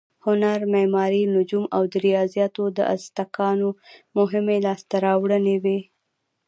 هنر، معماري، نجوم او ریاضیاتو د ازتکانو مهمې لاسته راوړنې وې.